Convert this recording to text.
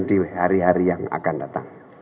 di hari hari yang akan datang